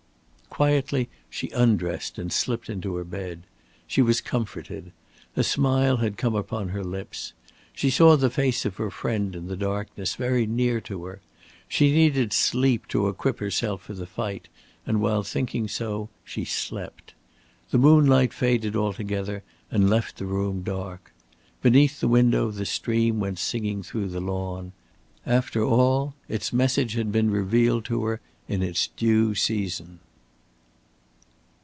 Quietly she undressed and slipped into her bed. She was comforted. A smile had come upon her lips. She saw the face of her friend in the darkness, very near to her. She needed sleep to equip herself for the fight, and while thinking so she slept. The moonlight faded altogether, and left the room dark. Beneath the window the stream went singing through the lawn. After all, its message had been revealed to her in its due season.